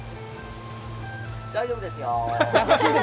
大丈夫ですよ。